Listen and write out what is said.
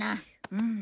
うん。